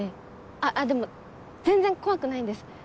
あっでも全然怖くないんです。